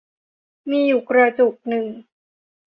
มีอยู่กระจุกนึง